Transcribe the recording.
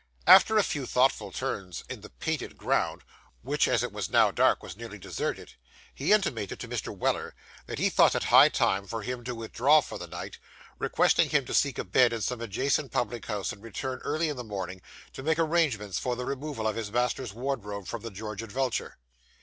After a few thoughtful turns in the Painted Ground, which, as it was now dark, was nearly deserted, he intimated to Mr. Weller that he thought it high time for him to withdraw for the night; requesting him to seek a bed in some adjacent public house, and return early in the morning, to make arrangements for the removal of his master's wardrobe from the George and Vulture.